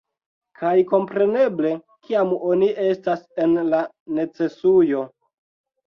Kaj kompreneble kiam oni estas en la necesujo